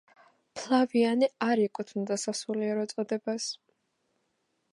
ფლავიანე არ ეკუთვნოდა სასულიერო წოდებას.